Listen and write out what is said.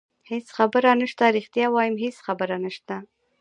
هېڅ خبره نشته، رښتیا وایم هېڅ خبره نشته.